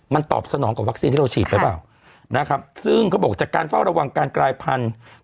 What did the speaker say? มันตอบสนองกับวัคซีนที่เราฉีดไปเปล่านะครับซึ่งเขาบอกจากการเฝ้าระวังการกลายพันธุ์